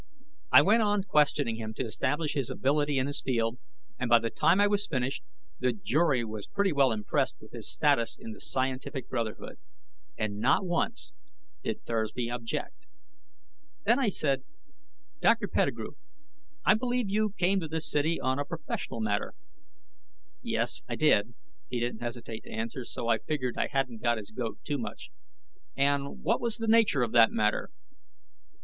I went on questioning him to establish his ability in his field, and by the time I was finished, the jury was pretty well impressed with his status in the scientific brotherhood. And not once did Thursby object. Then I said, "Dr. Pettigrew, I believe you came to this city on a professional matter?" "Yes, I did." He didn't hesitate to answer, so I figured I hadn't got his goat too much. "And what was the nature of that matter?"